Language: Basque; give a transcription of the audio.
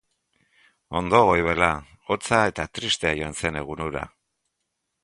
Ondo goibela, hotza eta tristea joan zen egun hura!